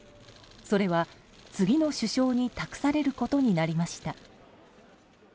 それは、次の首相に託されることになりました。